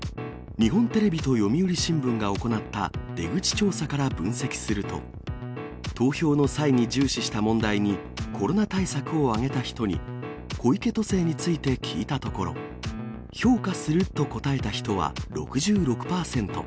日本テレビと読売新聞が行った出口調査から分析すると、投票の際に重視した問題に、コロナ対策を挙げた人に、小池都政について聞いたところ、評価すると答えた人は６６％。